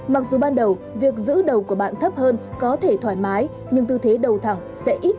mặc dù ban đầu việc giữ đầu của bạn thấp hơn có thể thoải mái nhưng tư thế đầu thẳng sẽ ít mệt mỏi hơn